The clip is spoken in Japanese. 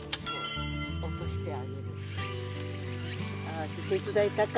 あ手伝いたか。